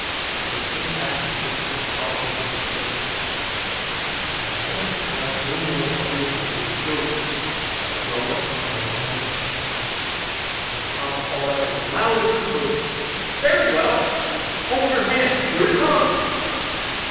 So they came back and whispered softly to him, saying, 'Now let us have no more of your roguish jokes; but throw us out some of the money.' Then Tom called out as loud as he could, 'Very well! hold your hands! here it comes.